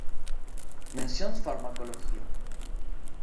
Mención Farmacología.